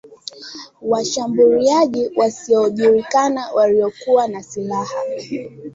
Washambuliaji wasiojulikana waliokuwa na silaha